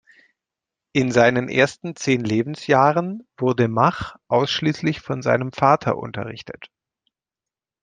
In seinen ersten zehn Lebensjahren wurde Mach ausschließlich von seinem Vater unterrichtet.